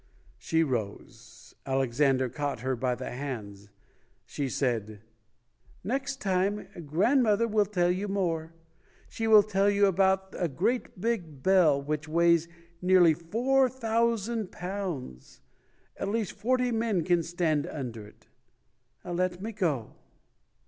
She rose. Alexander caught her by the hands. She said, "Next time, grandmother will tell you more. She will tell you about a great big bell which weighs nearly four thousand pounds. At least forty men can stand under it. Let me go".